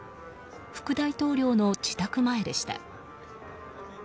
副大統領の自宅前でした。